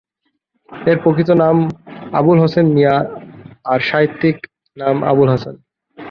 তার প্রকৃত নাম আবুল হোসেন মিয়া আর সাহিত্যিক নাম আবুল হাসান।